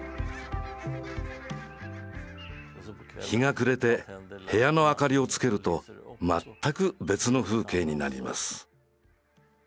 日が暮れて部屋の明かりをつけると全く別の風景になります。